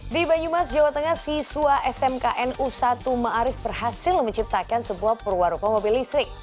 di banyumas jawa tengah siswa smkn u satu ⁇ maarif ⁇ berhasil menciptakan sebuah perwarupa mobil listrik